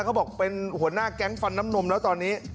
เขาบอกเป็นหัวหน้าแก๊งฟันน้ำนมแล้วตอนนี้